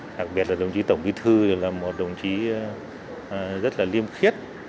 đặc biệt là đồng chí tổng bí thư là một đồng chí rất là liêm khiết